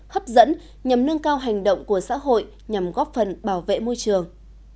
hấp dẫn nhằm nâng cao hành động của xã hội nhằm góp phần bảo vệ môi trường